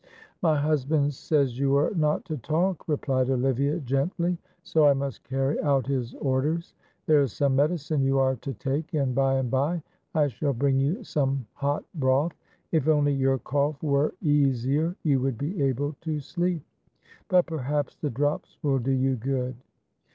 "My husband says you are not to talk," replied Olivia, gently, "so I must carry out his orders; there is some medicine you are to take, and by and by I shall bring you some hot broth; if only your cough were easier you would be able to sleep, but perhaps the drops will do you good."